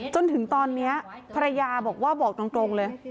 จนถึงตอนนี้ภรรยาบอกว่าบอกตรงเลย